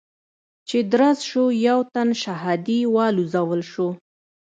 چې درز شو او يو تن شهادي والوزول شو.